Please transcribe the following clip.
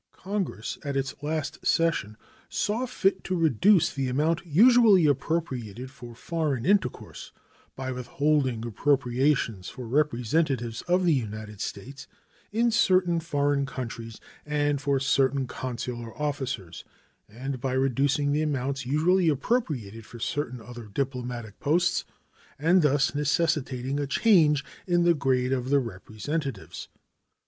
Congress at its last session saw fit to reduce the amount usually appropriated for foreign intercourse by withholding appropriations for representatives of the United States in certain foreign countries and for certain consular officers, and by reducing the amounts usually appropriated for certain other diplomatic posts, and thus necessitating a change in the grade of the representatives.